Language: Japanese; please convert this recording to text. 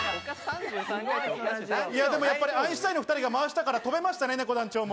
でもやっぱりアインシュタインの２人が回したんで、跳べましたね、ねこ団長も。